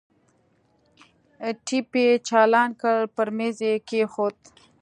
ټېپ يې چالان کړ پر ميز يې کښېښود.